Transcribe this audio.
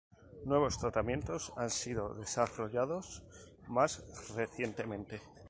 Nuevos tratamientos han sido desarrollados más recientemente.